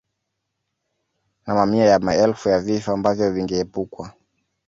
Na mamia ya maelfu ya vifo ambavyo vingeepukwa